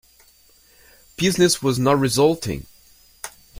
Business was not resulting.